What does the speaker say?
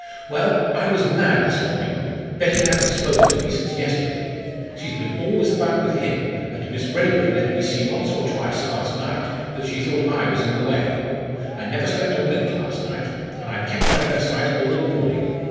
"Well, I was mad this morning! Betty hasn't spoken to me since yesterday. She's been always about with him, and Miss Raeburn let me see once or twice last night that she thought I was in the way. I never slept a wink last night, and I kept out of their sight all the morning.